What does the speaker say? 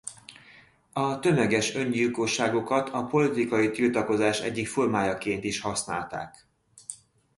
A tömeges öngyilkosságokat a politikai tiltakozás egyik formájaként is használták.